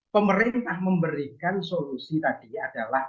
pemerintah memberikan solusi tadi adalah